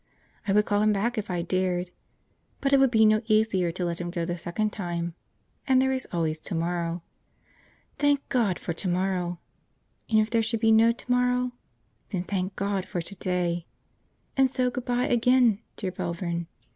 I would call him back, if I dared; but it would be no easier to let him go the second time, and there is always to morrow. Thank God for to morrow! And if there should be no to morrow? Then thank God for to day! And so good bye again, dear Belvern!